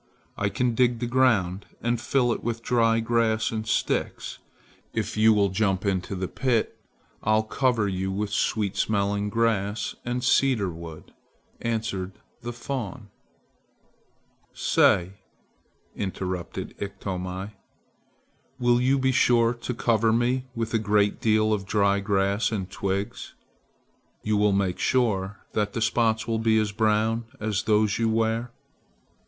I can dig the ground and fill it with dry grass and sticks. If you will jump into the pit, I'll cover you with sweet smelling grass and cedar wood," answered the fawn. "Say," interrupted Ikto, "will you be sure to cover me with a great deal of dry grass and twigs? You will make sure that the spots will be as brown as those you wear."